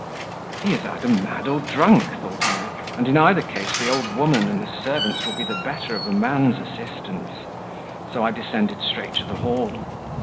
"He is either mad or drunk," thought I, "and in either case the old woman and the servants will be the better of a man's assistance," so I descended straight to the hall.